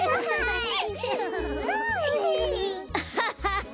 アッハハハ。